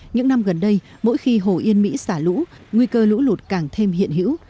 những năm gần đây mỗi khi hồ yên mỹ xả lũ nguy cơ lũ lụt càng thêm hiện hữu